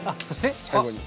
最後に。